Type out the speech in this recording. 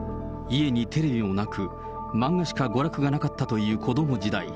家にテレビもなく、漫画しか娯楽がなかったという子ども時代。